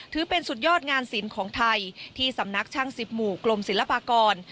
ถือเป็นสุดยอดงานศิลป์ของไทยที่สำนักช่างสิบหมู่กรมศิลปากร